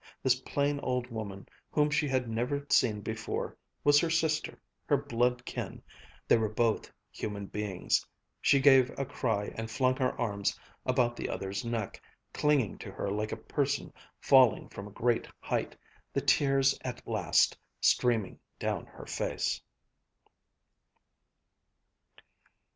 This plain old woman, whom she had never seen before, was her sister, her blood kin, they were both human beings. She gave a cry and flung her arms about the other's neck, clinging to her like a person falling from a great height, the tears at last streaming down her face.